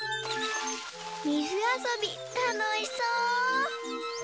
みずあそびたのしそう！